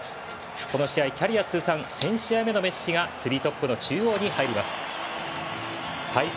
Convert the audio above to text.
この試合キャリア通算１０００試合目のメッシがスリートップの中央に入ります。